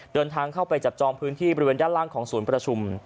เดินทางเข้าไปจับจองพื้นที่บริเวณด้านล่างของศูนย์ประชุม